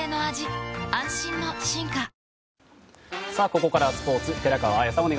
ここからはスポーツ寺川綾さん